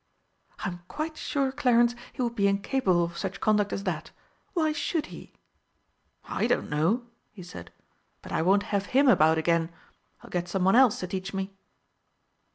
"I'm quite sure, Clarence, he would be incapable of such conduct as that. Why should he?" "I don't know," he said. "But I won't have him about again. I'll get some one else to teach me."